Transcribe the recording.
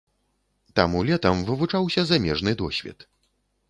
Таму летам вывучаўся замежны досвед.